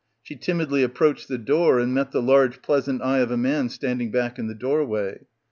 She timidly approached the door and met the large pleasant eye of a man standing back in the door way.